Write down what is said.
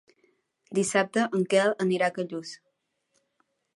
Dissabte en Quel anirà a Callús.